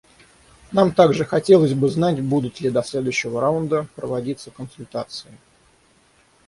Нам также хотелось бы знать, будут ли до следующего раунда проводиться консультации.